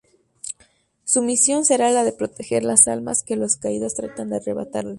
Su misión será la de proteger las almas que los Caídos tratan de arrebatarle.